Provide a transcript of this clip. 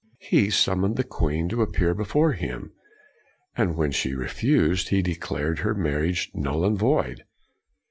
He summoned the queen to appear before him, and when she refused he declared her marriage null and void.